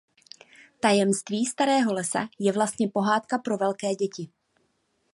Tajemství starého lesa je vlastně pohádka pro velké děti.